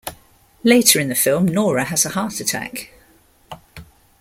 Later in the film, Nora has a heart attack.